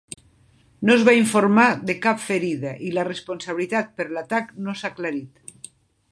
No es va informar de cap ferida i la responsabilitat per l'atac no s'ha aclarit.